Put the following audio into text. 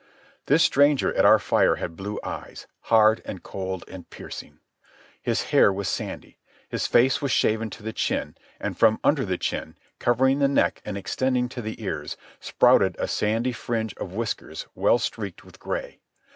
This stranger at our fire had blue eyes, hard and cold and piercing. His hair was sandy. His face was shaven to the chin, and from under the chin, covering the neck and extending to the ears, sprouted a sandy fringe of whiskers well streaked with gray.